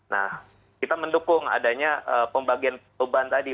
nah kita mendukung adanya pembagian beban tadi